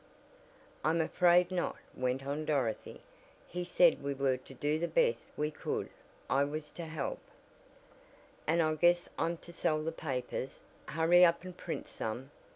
"I'm afraid not," went on Dorothy. "He said we were to do the best we could. I was to help " "And I guess I'm to sell the papers. Hurry up and print some.